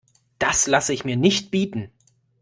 Das lasse ich mir nicht bieten!